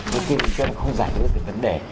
đối với kinh doanh không giải quyết được cái vấn đề